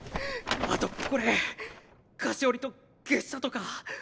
あとこれ菓子折りと月謝とか。